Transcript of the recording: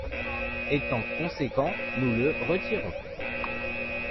Étant conséquents, nous le retirons.